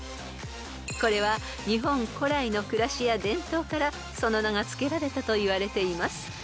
［これは日本古来の暮らしや伝統からその名が付けられたといわれています］